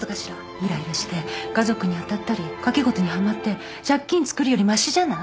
いらいらして家族に当たったり賭け事にはまって借金つくるよりましじゃない？